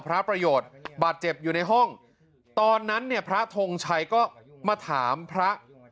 พระประโยชน์บาดเจ็บอยู่ในห้องตอนนั้นเนี่ยพระทงชัยก็มาถามพระ